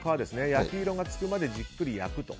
焼き色がつくまでじっくり焼くと。